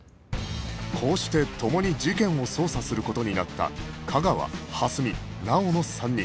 こうして共に事件を捜査する事になった架川蓮見直央の３人